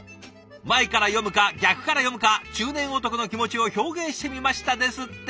「前から読むか逆から読むか中年男の気持ちを表現してみました」ですって。